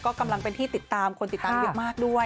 ก็กำลังเป็นที่ติดตามคนติดตามคลิปมากด้วย